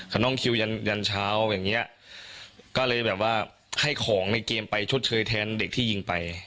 น้องคิวยันยันเช้าอย่างเงี้ยก็เลยแบบว่าให้ของในเกมไปชดเชยแทนเด็กที่ยิงไป